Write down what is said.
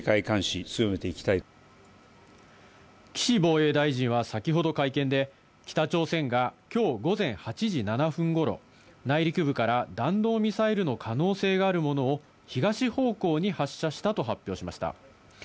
岸防衛大臣は先ほど会見で、北朝鮮が今日午前８時７分頃、内陸部から弾道ミサイルの可能性があるものを東方向に発射したと発表しました。